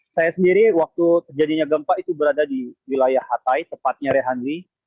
saya sendiri waktu terjadinya gempa itu berada di wilayah hatay tepatnya rehanli